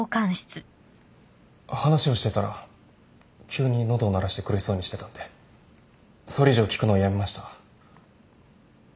話をしてたら急に喉を鳴らして苦しそうにしてたんでそれ以上聞くのをやめました。